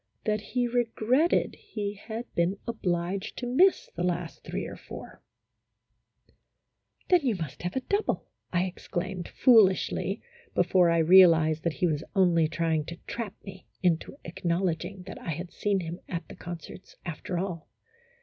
That he regretted he had been obliged to miss the last three or four 1 26 A HYPOCRITICAL ROMANCE. " Then you must have a double," I exclaimed, foolishly, before I realized that he was only trying to trap me into acknowledging that I had seen him at the concerts, after all.